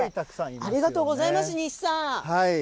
ありがとうございます、西さん。